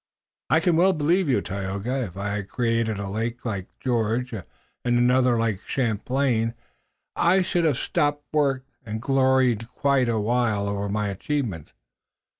"I can well believe you, Tayoga. If I had created a lake like George and another like Champlain I should have stopped work, and gloried quite a while over my achievement.